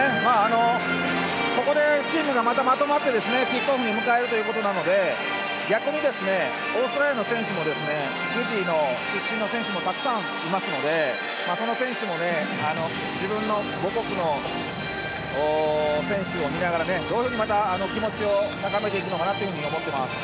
ここでチームがまた、まとまってキックオフに迎えるので逆に、オーストラリアの選手もフィジーの出身の選手もたくさんいますのでその選手も自分の母国の選手を見ながらどういうふうに気持ちを高めていくのかなと思っています。